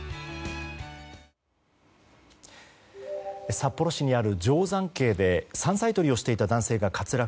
札幌市にある定山渓で山菜採りをしていた男性が滑落。